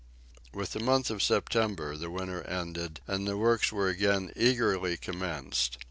With the month of September the winter ended, and the works were again eagerly commenced.